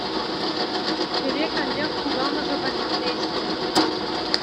Хӗре каллех кукамӑшӗ патне леҫнӗ.